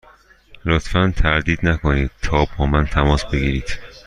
لطفا تردید نکنید تا با من تماس بگیرید.